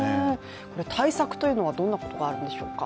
対策というのはどんなことがあるんでしょうか